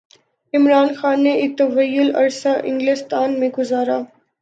عمران خان نے ایک طویل عرصہ انگلستان میں گزارا ہے۔